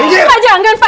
enggak jangan pak